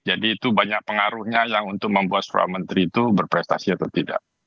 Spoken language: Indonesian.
jadi itu banyak pengaruhnya yang untuk membuat seorang menteri itu berprestasi atau tidak